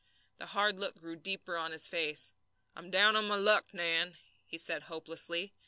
The hard look grew deeper on his face. "I'm down on my luck, Nan," he said, hopelessly.